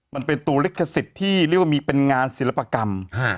มันเป็นตัวลิขสิทธิ์ที่เรียกว่ามีเป็นงานศิลปกรรม